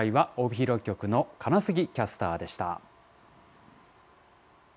今回は帯広局の金杉キャスターでした。